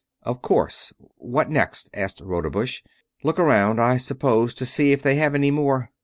"Of course ... what next?" asked Rodebush. "Look around, I suppose, to see if they have any more...."